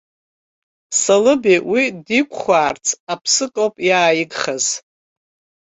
Салыбеи уи диқәхәаарц аԥсык ауп иааигхаз.